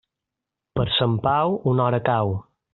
Per Sant Pau, una hora cau.